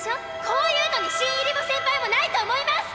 こういうのに新入りもセンパイもないと思います！